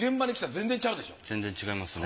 全然違いますね。